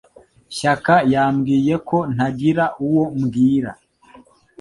Shaka yambwiye ko ntagira uwo mbwira.